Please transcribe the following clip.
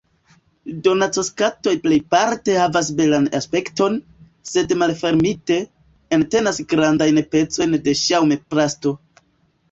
Donacoskatoloj plejparte havas belan aspekton, sed malfermite, entenas grandajn pecojn da ŝaŭmplasto.